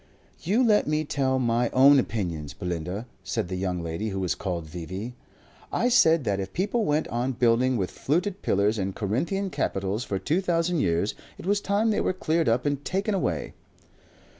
"You let me tell my own opinions, Belinda," said the young lady who was called V.V. "I said that if people went on building with fluted pillars and Corinthian capitals for two thousand years, it was time they were cleared up and taken away."